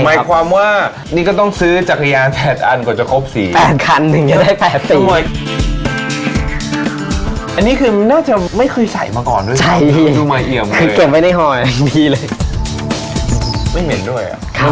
เราก็ต้องซื้อจักรยาน๑อันถึงจะได้เสื้อ๑ตัวใช่ไหมครับ